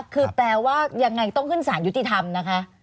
คือแปลว่ายังไงต้องขึ้นสารยุติธรรมนะคะ